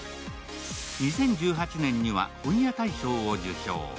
２０１８年には本屋大賞を受賞。